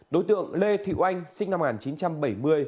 đối tượng lê thị oanh sinh năm một nghìn chín trăm bảy mươi